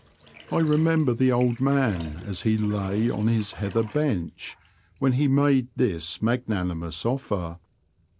I remember the old man as he lay on his heather bench when he made this magnanimous offer.